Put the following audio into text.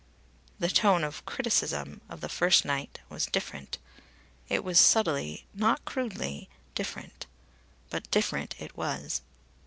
The tone of the criticism of the first night was different it was subtly, not crudely, different. But different it was.